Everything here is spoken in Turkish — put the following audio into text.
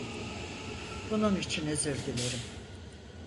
Bunun için özür dilerim.